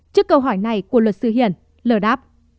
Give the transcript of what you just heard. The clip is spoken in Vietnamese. trước câu hỏi này của luật sư hiền l đáp